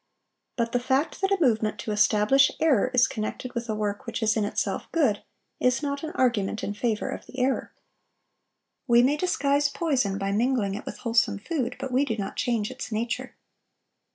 But the fact that a movement to establish error is connected with a work which is in itself good, is not an argument in favor of the error. We may disguise poison by mingling it with wholesome food, but we do not change its nature.